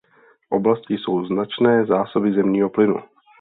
V oblasti jsou značné zásoby zemního plynu.